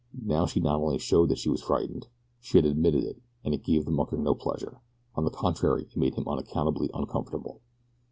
Now she not only showed that she was frightened she had admitted it, and it gave the mucker no pleasure on the contrary it made him unaccountably uncomfortable.